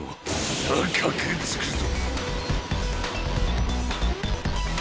高くつくぞ。